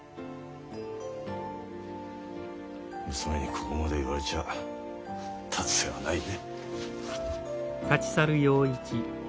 娘にここまで言われちゃ立つ瀬がないね。